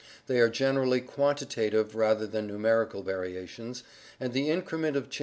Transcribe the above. They are generally quantita tive rather than numeri cal variations, and the increment of change be Fig.